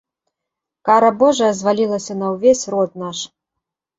Кара божая звалілася на ўвесь род наш.